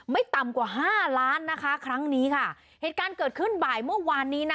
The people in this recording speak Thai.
ไม่ต่ำกว่าห้าล้านนะคะครั้งนี้ค่ะเหตุการณ์เกิดขึ้นบ่ายเมื่อวานนี้นะ